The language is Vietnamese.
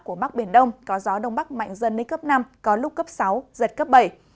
của bắc biển đông có gió đông bắc mạnh dần đến cấp năm có lúc cấp sáu giật cấp bảy